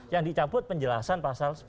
yang dicabut penjelasan pasal